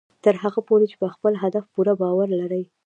تر هغه پورې چې په خپل هدف پوره باور لرئ